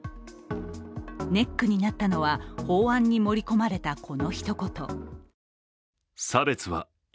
ネックになったのは、法案に盛り込まれたこの一言。